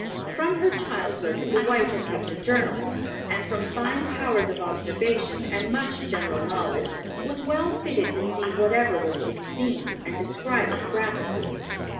From her childhood the wife had kept a journal, and from fine powers of observation and much general knowledge was well fitted to see whatever was to be seen, and describe it graphically.